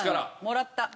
もらった。